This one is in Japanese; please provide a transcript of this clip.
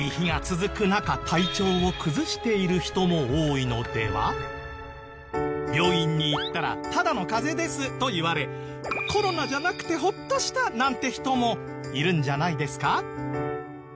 暑い日が続く中病院に行ったらただの風邪ですと言われコロナじゃなくてホッとしたなんて人もいるんじゃないですか？